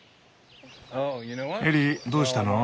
エリーどうしたの？